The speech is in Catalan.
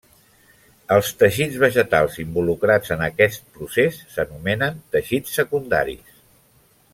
Els teixits vegetals involucrats en aquest procés s'anomenen teixits secundaris.